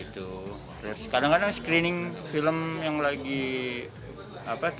terus kadang kadang screening film yang lagi teman teman bikin gitu